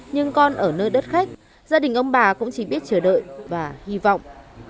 nhưng con ở nơi đất khách gia đình ông bà cũng chỉ biết chờ đợi và hy vọng